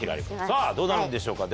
さぁどうなるんでしょうか。